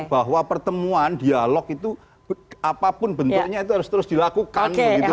bahwa pertemuan dialog itu apapun bentuknya itu harus terus dilakukan